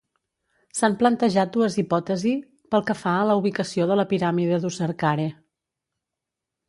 S'han plantejat dues hipòtesi pel que fa a la ubicació de la piràmide d'Userkare.